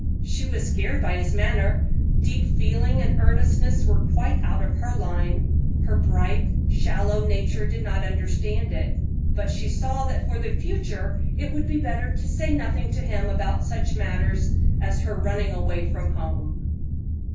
She was scared by his manner. Deep feeling and earnestness were quite out of her line; her bright, shallow nature did not understand it, but she saw that for the future it would be better to say nothing to him about such matters as her running away from home.